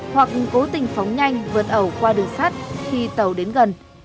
hoặc cố tình phóng nhanh vượt ẩu qua đường sắt khi tàu đến gần